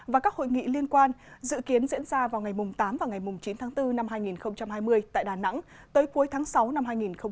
và các hội nghị liên quan dự kiến diễn ra vào ngày tám và ngày chín tháng bốn năm hai nghìn hai mươi tại đà nẵng tới cuối tháng sáu năm hai nghìn hai mươi